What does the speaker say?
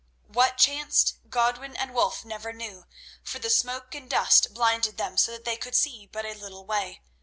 What chanced Godwin and Wulf never knew, for the smoke and dust blinded them so that they could see but a little way.